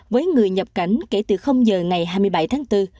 với người nhập cảnh kể từ giờ ngày hai mươi bảy tháng bốn